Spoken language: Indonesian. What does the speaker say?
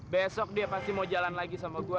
besok dia pasti mau jalan lagi sama gue